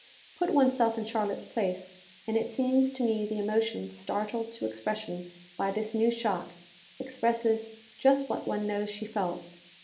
Put oneself in Charlotte's place, and it seems to me the emotion startled to expression by this new shock, expresses just what one knows she felt.